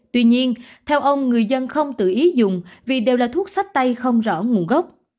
tuy nhiên theo ông người dân không tự ý dùng vì đều là thuốc sách tay không rõ nguồn gốc